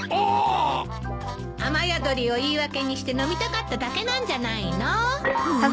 雨宿りを言い訳にして飲みたかっただけなんじゃないの？